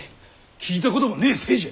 聞いたこともねえ姓じゃ。